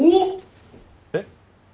えっ？